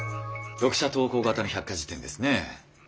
読者投稿型の百科事典ですね。